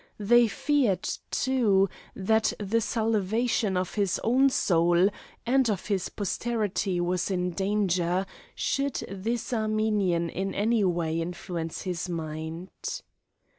They feared, too, that the salvation of his own soul and of his posterity was in danger, should this Armenian in any way influence his mind.